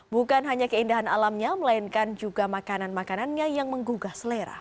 bukan hanya keindahan alamnya melainkan juga makanan makanannya yang menggugah selera